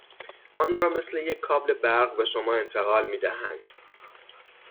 آن را مثل یک کابل برق به شما انتقال میدهند.